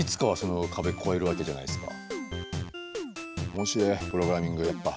面白えプログラミングやっぱ。